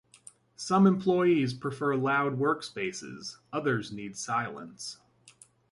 Some employees prefer loud work spaces, others need silence.